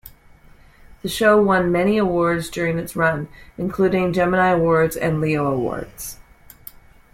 The show won many awards during its run, including Gemini Awards and Leo Awards.